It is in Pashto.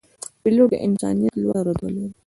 پیلوټ د انسانیت لوړه رتبه لري.